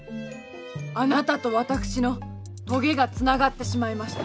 あなたと私のとげがつながってしまいました。